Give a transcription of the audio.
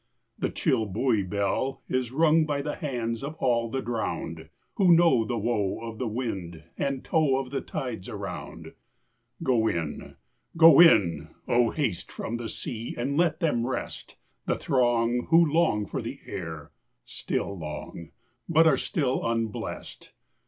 The chill buoy bell is rung by the hands Of all the drowned, Who know the woe of the wind and tow Of the tides around. Go in, go in! Oh, haste from the sea, And let them rest The throng who long for the air still long, But are still unblest.